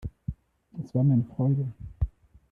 Es war mir eine Freude.